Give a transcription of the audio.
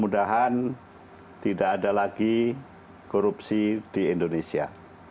mudah mudahan tidak ada lagi korupsi di indonesia